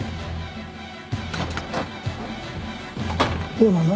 どうなの？